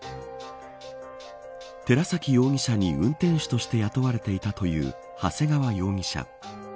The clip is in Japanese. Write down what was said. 寺崎容疑者に運転手として雇われていたという長谷川容疑者。